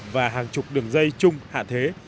và hàng chục đường dây chung hạ thế